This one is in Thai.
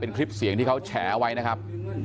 เป็นคลิปเสียงที่เขาแฉเอาไว้นะครับ